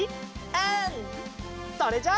うん！それじゃあ。